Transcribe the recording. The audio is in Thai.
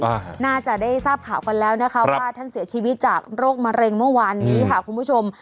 น่าจะได้ทราบข่าวกันแล้วนะคะว่าท่านเสียชีวิตจากโรคมะเร็งเมื่อวานนี้ค่ะคุณผู้ชม